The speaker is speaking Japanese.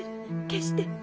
決して。